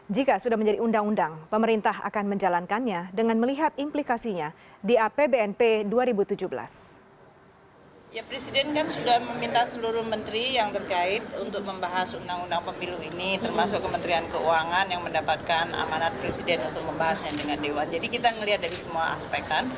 jika sudah menjadi undang undang pemerintah akan menjalankannya dengan melihat implikasinya di apbnp dua ribu tujuh belas